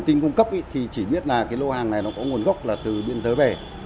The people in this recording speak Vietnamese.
các bản tin cung cấp thì chỉ biết là cái nô hàng này nó có nguồn gốc là từ biên giới về